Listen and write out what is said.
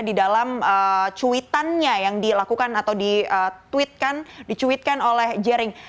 dalam cuitannya yang dilakukan atau dituitkan oleh jering